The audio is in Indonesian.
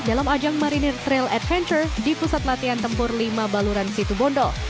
dalam ajang marinir trail adventure di pusat latihan tempur lima baluran situbondo